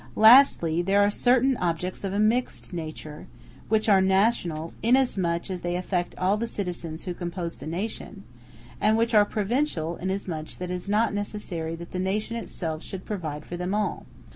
Lastly, there are certain objects of a mixed nature, which are national inasmuch as they affect all the citizens who compose the nation, and which are provincial inasmuch as it is not necessary that the nation itself should provide for them all.